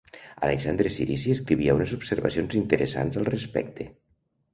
Alexandre Cirici escrivia unes observacions interessants al respecte.